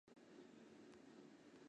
他人可称总督为督宪阁下。